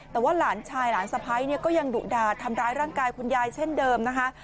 แต่ว่าหลานชายหลานสะพ้ายเนี่ยก็ยังดุดาดทำร้ายร่างกายคุณยายเช่นเดิมนะคะ